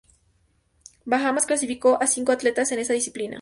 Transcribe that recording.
Bahamas clasificó a cinco atletas en esta disciplina.